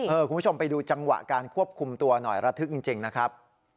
คุณผู้ชมไปดูจังหวะการควบคุมตัวหน่อยระทึกจริงนะครับ